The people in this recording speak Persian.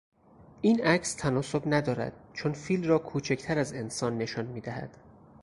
این عکس تناسب ندارد چون فیل را کوچکتر از انسان نشان میدهد.